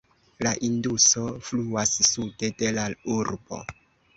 La Induso fluas sude de la urbo.